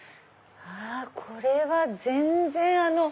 これは全然。